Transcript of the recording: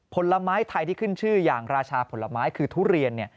ผลไม้ไทยที่ขึ้นชื่ออย่างราชาผลไม้คือทุเรียนเนี่ย